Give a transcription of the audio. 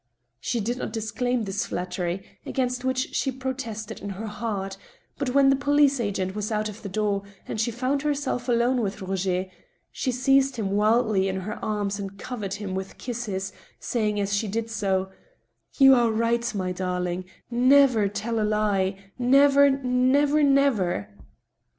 She did not disclaim this flattery, against which she protested in her heart ; but when the police agent was out of the door, and she found herself alone with Roger, she seized him wildly in her arms and covered him with kisses, saying, as she did so :" You are right, my darling ; never tell a lie, ... never, never, never